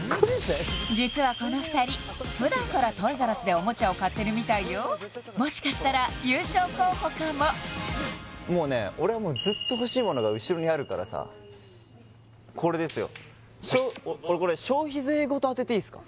実はこの２人普段からトイザらスでおもちゃを買ってるみたいよもしかしたら優勝候補かももうね俺はもうずっと欲しいものが後ろにあるからさこれですよこれ消費税ごと当てていいすか？